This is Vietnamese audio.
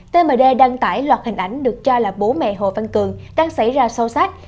tmd đăng tải loạt hình ảnh được cho là bố mẹ hồ văn cường đang xảy ra sâu sắc